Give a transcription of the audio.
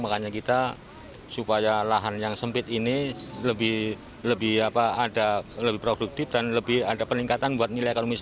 makanya kita supaya lahan yang sempit ini lebih produktif dan lebih ada peningkatan buat nilai ekonomis